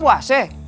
tuk gak puasih